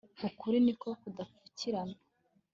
Ukuri niko kudapfukirana